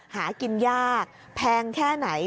หากินยากแพงแค่ไหน